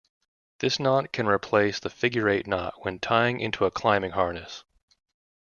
This knot can replace the figure-eight knot when tying into a climbing harness.